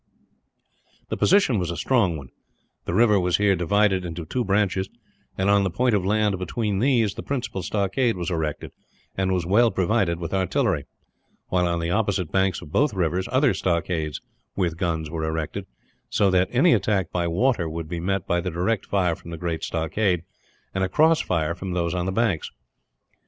The position was a strong one. The river was here divided into two branches and, on the point of land between these, the principal stockade was erected and was well provided with artillery; while on the opposite banks of both rivers other stockades with guns were erected, so that any attack by water would be met by the direct fire from the great stockade, and a cross fire from those on the banks.